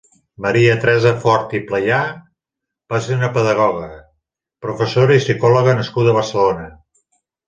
Maria Teresa Fort i Playà va ser una pedagoga, professora i psicòloga nascuda a Barcelona.